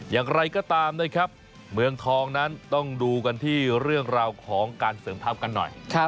อย่างไรก็ตามนะครับเมืองทองนั้นต้องดูกันที่เรื่องราวของการเสริมทัพกันหน่อย